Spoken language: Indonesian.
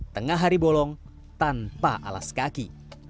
tengah hari bolong tanpa alas kaki